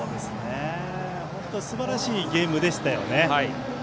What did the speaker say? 本当にすばらしいゲームでしたね。